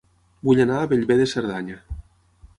Vull anar a Bellver de Cerdanya